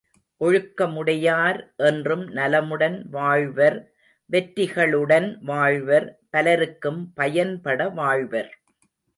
ஒழுக்கமுடையார் என்றும் நலமுடன் வாழ்வர் வெற்றிகளுடன் வாழ்வர் பலருக்கும் பயன்பட வாழ்வர்.